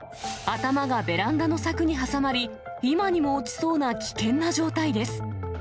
頭がベランダの柵に挟まり、今にも落ちそうな危険な状態です。